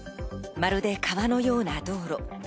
まるで川のような道路。